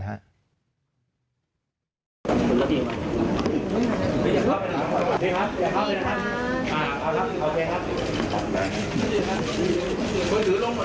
ใครตกโม้ย